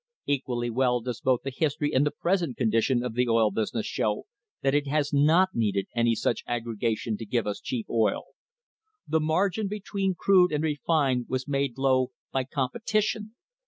Equally well does both the history and the present condi tion of the oil business show that it has not needed any such aggregation to give us cheap oil. The margin between crude and refined was made low by competition.